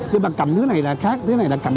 nhưng mà cầm thứ này là khác thứ này là cầm